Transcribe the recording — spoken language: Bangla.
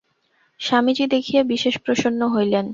স্বামীজী দেখিয়া বিশেষ প্রসন্ন হইলেন।